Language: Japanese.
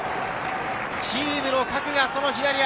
チームの核がその左足。